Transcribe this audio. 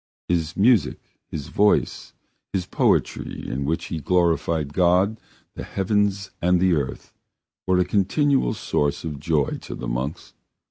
His music, his voice, his poetry in which he glorified God, the heavens and the earth, were a continual source of joy to the monks.